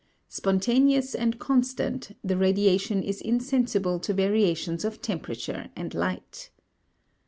Spontaneous and constant, the radiation is insensible to variations of temperature and light.